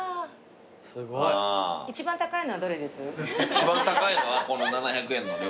一番高いのはこの７００円の。